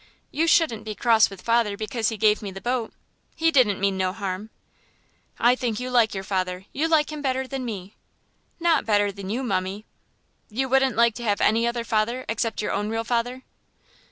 You shouldn't be cross with father because he gave me the boat. He didn't mean no harm." "I think you like your father. You like him better than me." "Not better than you, mummie." "You wouldn't like to have any other father except your own real father?"